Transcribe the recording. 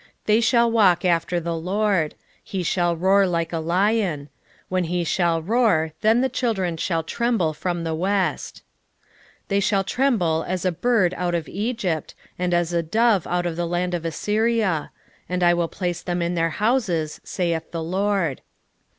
11:10 They shall walk after the LORD: he shall roar like a lion: when he shall roar, then the children shall tremble from the west. 11:11 They shall tremble as a bird out of Egypt, and as a dove out of the land of Assyria: and I will place them in their houses, saith the LORD.